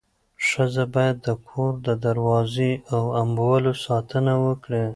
ښځه باید د کور د دروازې او اموالو ساتنه وکړي.